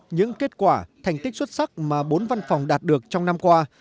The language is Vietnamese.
những kết quả thành tích xuất sắc mà bốn văn phòng đạt được trong năm qua